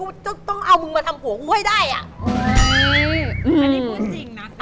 กูต้องเอามึงมาทำหัวกูให้ได้อ่ะ